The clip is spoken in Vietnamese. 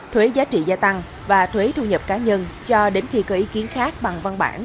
thuế giá trị gia tăng và thuế thu nhập cá nhân cho đến khi có ý kiến khác bằng văn bản